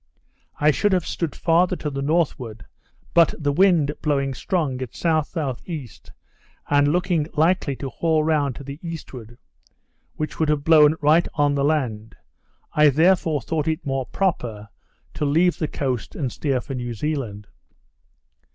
I should have stood farther to the northward, but the wind blowing strong at S.S.E., and looking likely to haul round to the eastward, which would have blown right on the land, I therefore thought it more proper to leave the coast and steer for New Zealand.